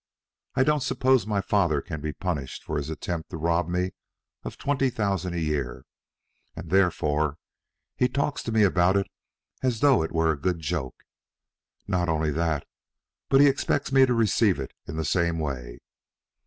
I don't suppose my father can be punished for his attempt to rob me of twenty thousand a year, and therefore he talks to me about it as though it were a good joke. Not only that, but he expects me to receive it in the same way.